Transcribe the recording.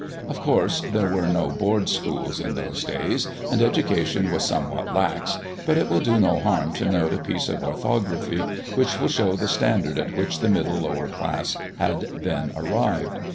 Of course, there were no Board Schools in those days, and .education was somewhat lax, but it will do no harm to note a piece of orthography, which will show the standard at which the middle lower class had then arrived.